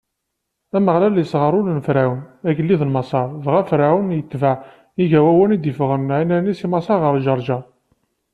Ameɣlal isɣer ul n Ferɛun, agellid n Maṣer, dɣa Ferɛun itbeɛ Igawawen i d-iffɣen ɛinani si Maṣer ɣer Ǧeṛǧeṛ.